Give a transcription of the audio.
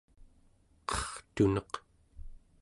qertuneq